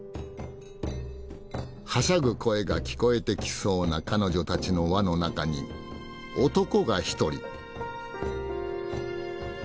はしゃぐ声が聞こえてきそうな彼女たちの輪の中に男が１人。